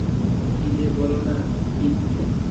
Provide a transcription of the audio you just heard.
কী যে বলো না, পিট।